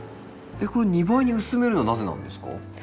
これ２倍に薄めるのはなぜなんですか？